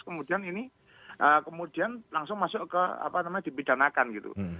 kemudian ini langsung masuk ke dibidanakan gitu